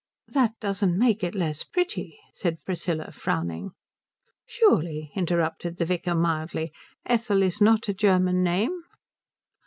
"That doesn't make it less pretty," said Priscilla, frowning. "Surely," interrupted the vicar mildly, "Ethel is not a German name?"